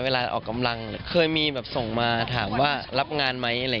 เวลาออกกำลังเคยมีแบบส่งมาถามว่ารับงานไหม